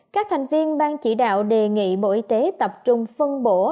các thành viên ban chỉ đạo đề nghị bộ y tế tập trung phân bổ